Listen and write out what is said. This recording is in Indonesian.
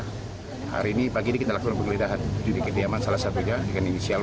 hari ini pagi ini kita lakukan penggeledahan di kediaman salah satunya dengan inisial